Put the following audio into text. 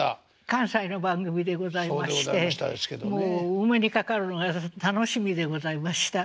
関西の番組でございましてもうお目にかかるのが楽しみでございました。